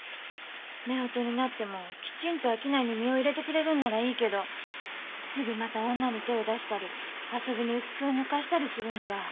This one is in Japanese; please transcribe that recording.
夫婦になってもきちんと商いに身を入れてくれるんならいいけどすぐまた女に手を出したり遊びにうつつを抜かしたりするんじゃ。